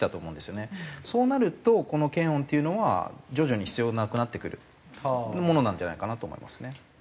そうなるとこの検温というのは徐々に必要なくなってくるものなんじゃないかなと思いますね。